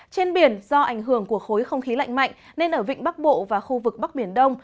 trên biển do ảnh hưởng của khối không khí lạnh mạnh nên ở vịnh bắc bộ và khu vực bắc biển đông